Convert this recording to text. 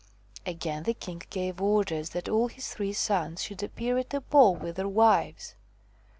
Again the king gave orders that all his three sons should appear at a ball with their wives.